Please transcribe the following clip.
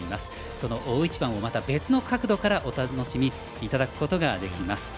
その大一番を、別の角度からお楽しみいただくことができます。